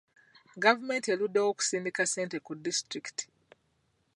Gavumenti eruddewo okusindikaa ssente ku disitulikiti.